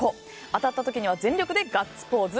当たった時には全力でガッツポーズ。